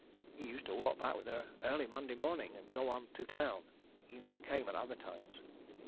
He used to walk back with her early Monday morning, and go on to town. He never came at other times.